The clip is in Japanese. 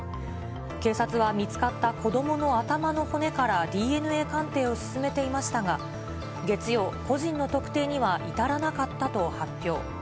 警察は見つかった子どもの頭の骨からＤＮＡ鑑定を進めていましたが、月曜、個人の特定には至らなかったと発表。